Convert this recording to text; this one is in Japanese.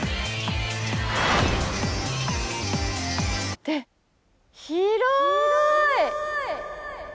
って広い！